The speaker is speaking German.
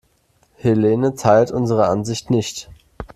Helene teilt unsere Ansicht nicht.